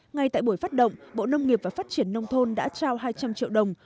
ngay tại buổi phát động bộ nông nghiệp và phát triển nông thôn đã trao hai trăm linh triệu đồng